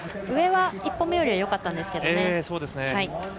上は１本目よりよかったんですがね。